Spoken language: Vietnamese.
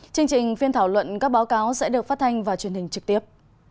chương trình phiên thảo luận các báo cáo sẽ được phát thanh và truyền hình trực tiếp